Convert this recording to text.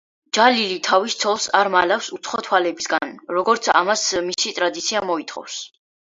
ჯალილი თავის ცოლს არ მალავს უცხო თვალებისგან, როგორც ამას მისი ტრადიცია მოითხოვს.